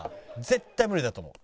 絶対無理だと思う。